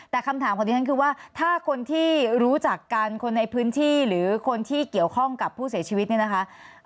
แต่คำถามของดิฉันคือว่าถ้าคนที่รู้จักกันคนในพื้นที่หรือคนที่เกี่ยวข้องกับผู้เสียชีวิตเนี่ยนะคะ